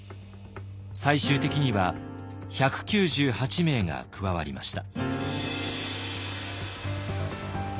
最終的には１９８名が加わりました。